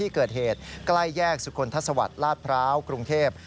ใกล้แยกสุขนทศวรรษลาดพร้าวกรุงเทพฯ